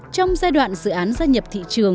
trong giai đoạn dự án gia nhập thị trường